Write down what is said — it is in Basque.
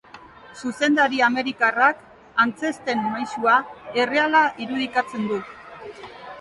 Zuzendari amerikarrak, antzezten maisua, erreala irudikatzen du.